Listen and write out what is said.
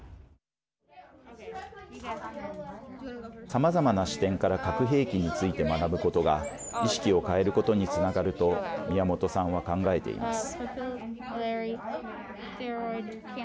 さまざまな視点から核兵器について学ぶことが意識を変えることにつながると宮本さんは考えています。